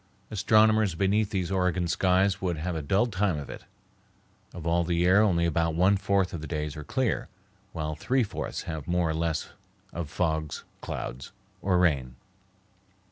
Astronomers beneath these Oregon skies would have a dull time of it. Of all the year only about one fourth of the days are clear, while three fourths have more or less of fogs, clouds, or rain.